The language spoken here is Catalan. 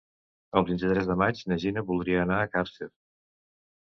El vint-i-tres de maig na Gina voldria anar a Càrcer.